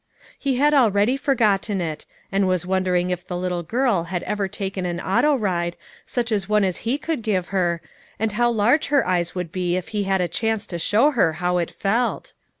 He had already forgotten it, and was won dering if the little girl had ever taken an auto ride, such a one as he could give her, and how large her eyes would be if he had a chance to show her how it felt?